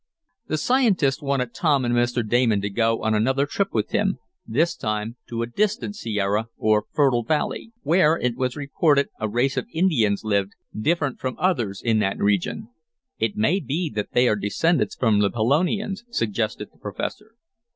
The scientist wanted Tom and Mr. Damon to go on another trip with him, this time to a distant sierra, or fertile valley, where it was reported a race of Indians lived, different from others in that region. "It may be that they are descendants from the Pelonians," suggested the professor.